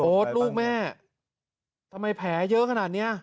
ลูกแม่ทำไมแผลเยอะขนาดนี้